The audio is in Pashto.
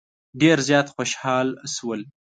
ډېر زیات خوشال شول.